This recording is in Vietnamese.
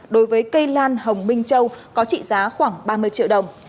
đối với cây lan hồng minh châu có trị giá khoảng ba mươi triệu đồng